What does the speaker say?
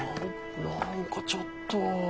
何かちょっと。